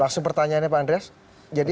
langsung pertanyaannya pak andreas jadi